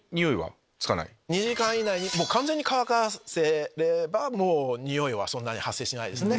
２時間以内に完全に乾かせればニオイはそんなに発生しないですね。